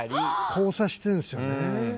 交差してんすよね。